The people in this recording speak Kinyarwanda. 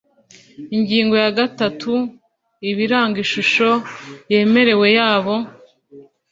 ingingo ya gatatu ibiranga ishusho yemewe yabo